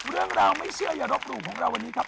เรื่องราวไม่เชื่ออย่ารบหลู่ของเราวันนี้ครับ